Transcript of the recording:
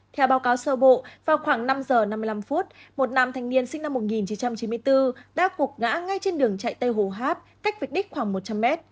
theo báo cáo sơ bộ vào khoảng năm giờ năm mươi năm phút một nàm thành niên sinh năm một nghìn chín trăm chín mươi bốn đã cục ngã ngay trên đường chạy tây hồ háp cách vịt đích khoảng một trăm linh mét